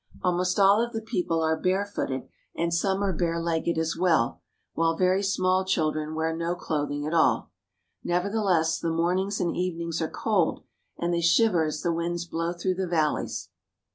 Almost all of the people are bare footed, and some are barelegged as well, while very small children wear no clothing at all. Nevertheless, the morn ings and evenings are cold, and they shiver as the winds blow through the valleys.